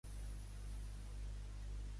Qui celebra la boda a la vegada?